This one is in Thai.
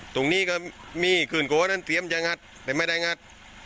ตรงนี้ก็มีขึ้นโกนั้นเตรียมจะงัดแต่ไม่ได้งัด